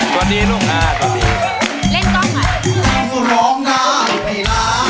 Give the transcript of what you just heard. สวัสดีลูกหน้าสวัสดี